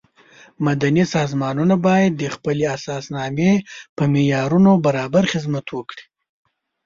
مدني سازمانونه باید د خپلې اساسنامې په معیارونو برابر خدمت وکړي.